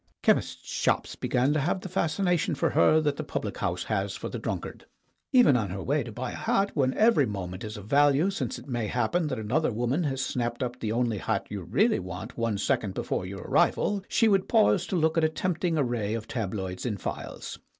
Chemists' shops began to have the fascination for her that the public house has for the drunkard. Even on her way to buy a hat, when every moment is of value since it may happen that another woman has snapped up the only hat you really want one second before your arrival she would pause to look at a tempting array of tabloids in phials.